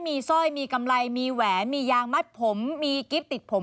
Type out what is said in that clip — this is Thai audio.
มีสร้อยมีกำไรมีแหวนมียางมัดผมมีกิ๊บติดผม